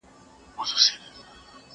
هغه وويل چي تمرين کول مهم دي!.